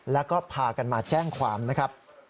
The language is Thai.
แล้วก็พากันมาแจ้งความนะครับ